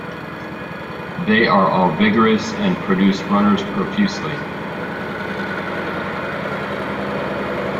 They are all vigorous, and produce runners profusely.